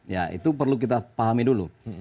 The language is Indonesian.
ya itu perlu kita pahami dulu